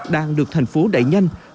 đang được thành phố đẩy nhanh